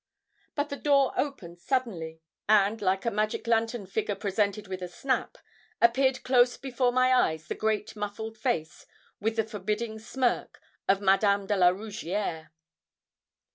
But the door opened suddenly, and, like a magic lantern figure, presented with a snap, appeared close before my eyes the great muffled face, with the forbidding smirk, of Madame de la Rougierre.